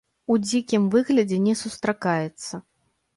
У дзікім выглядзе не сустракаецца.